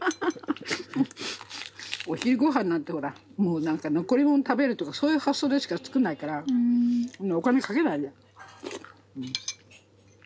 お昼ごはんなんてほら残り物食べるとかそういう発想でしか作んないからお金かけないで。